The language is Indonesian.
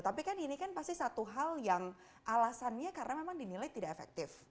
tapi kan ini kan pasti satu hal yang alasannya karena memang dinilai tidak efektif